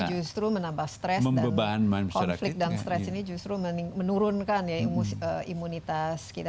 nanti justru menambah stress dan konflik dan stress ini justru menurunkan ya imunitas kita